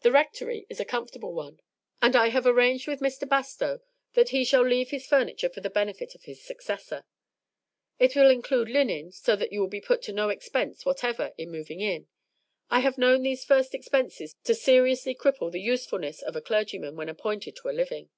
The Rectory is a comfortable one, and I have arranged with Mr. Bastow that he shall leave his furniture for the benefit of his successor. It will include linen, so that you will be put to no expense whatever in moving in. I have known these first expenses to seriously cripple the usefulness of a clergyman when appointed to a living."